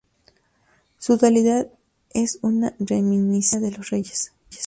Su dualidad es una reminiscencia de los reyes.